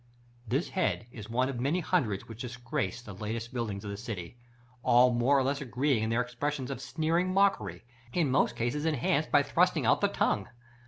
§ XVI. This head is one of many hundreds which disgrace the latest buildings of the city, all more or less agreeing in their expression of sneering mockery, in most cases enhanced by thrusting out the tongue.